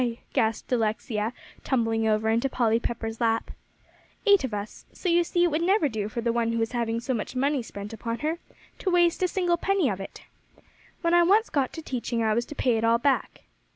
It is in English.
gasped Alexia, tumbling over into Polly Pepper's lap. "Eight of us; so you see, it would never do for the one who was having so much money spent upon her, to waste a single penny of it. When I once got to teaching, I was to pay it all back."